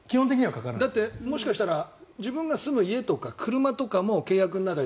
だってもしかしたら自分が住む家とか車とかも契約の中に。